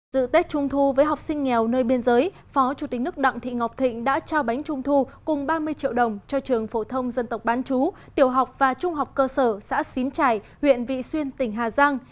dự tết trung thu với học sinh nghèo nơi biên giới phó chủ tịch nước đặng thị ngọc thịnh đã trao bánh trung thu cùng ba mươi triệu đồng cho trường phổ thông dân tộc bán chú tiểu học và trung học cơ sở xã xín trải huyện vị xuyên tỉnh hà giang